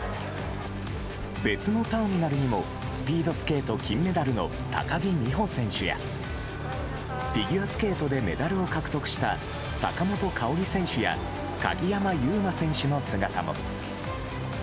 別のターミナルにもスピードスケート金メダルの高木美帆選手やフィギュアスケートでメダルを獲得した坂本花織選手や鍵山優真選手の姿も。